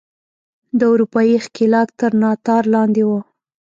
د اروپايي ښکېلاک تر ناتار لاندې وو.